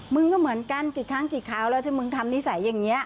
มึงก็เหมือนกันกี่ครั้งกี่ครั้งแล้วถ้ามึงทำนิสัยอย่างนี้